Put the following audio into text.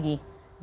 di korea selatan